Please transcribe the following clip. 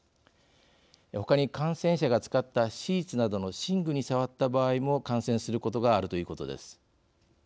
ほかに、感染者が使ったシーツなどの寝具に触った場合も感染することがあるということです。